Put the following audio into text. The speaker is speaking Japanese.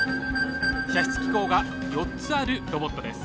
射出機構が４つあるロボットです。